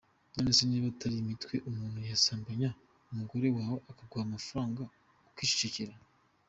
None se niba atari imitwe umuntu yasambanya umugore wawe akaguha amafaranga ukicecekera?”.